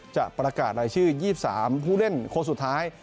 จะประกาศรายชื่อ๒๓ผู้เล่นคนสุดท้าย